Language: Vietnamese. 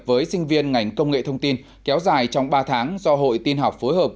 với sinh viên ngành công nghệ thông tin kéo dài trong ba tháng do hội tin học phối hợp